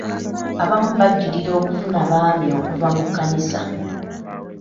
Abamu bajulira okufuna baami okuva mu kkanisa.